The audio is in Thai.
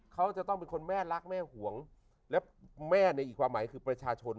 เขาจะต้องเป็นคนแม่รักแม่ห่วงและแม่ในอีกความหมายคือประชาชน